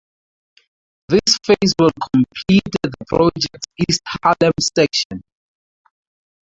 This phase will complete the project's East Harlem section.